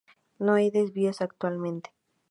No hay desvíos actualmente.